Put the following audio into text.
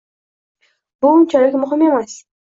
bu unchalik muhim emas.